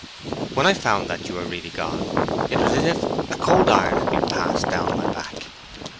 When I found that you really were gone it was as if a cold iron had been passed down my back.